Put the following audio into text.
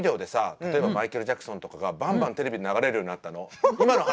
例えばマイケル・ジャクソンとかがバンバンテレビで流れるようになったの。